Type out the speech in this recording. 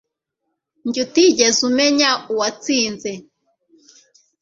njye, utigeze umenya uwatsinze